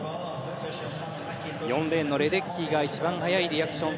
４レーンのレデッキーが一番早いリアクション。